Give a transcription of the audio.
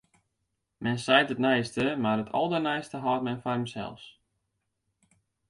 Men seit it neiste, mar it alderneiste hâldt men foar jinsels.